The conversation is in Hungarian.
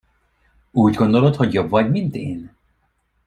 Úgy gondolod, hogy jobb vagy, mint én?